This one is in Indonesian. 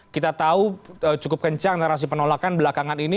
kita tahu cukup kencang narasi penolakan belakangan ini